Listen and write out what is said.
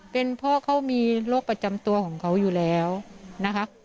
เป็นเพราะเขามีโรคประจำตัวของเขาอยู่แล้วนะคะ